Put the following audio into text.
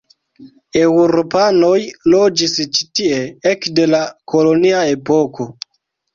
Eŭropanoj loĝis ĉi tie ekde la kolonia epoko.